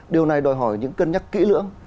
điều này đòi hỏi những cân nhắc kỹ lưỡng